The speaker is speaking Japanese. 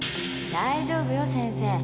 大丈夫よ先生。